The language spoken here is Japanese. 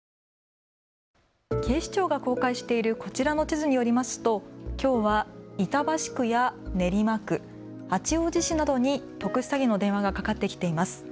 警視庁が公開しているこちらの地図によりますときょうは板橋区や練馬区、八王子市などに特殊詐欺の電話がかかってきています。